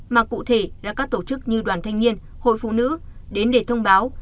mà cụ thể là các tổ chức như đoàn thanh niên hội phụ nữ đến để thông báo